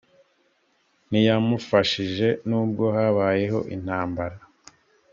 ntiyamufashije nubwo habayeho intambara.